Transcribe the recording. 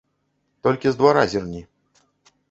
Толькі з двара зірні.